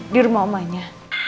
di rumah omanya